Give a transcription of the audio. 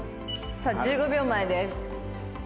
さあ１５秒前です。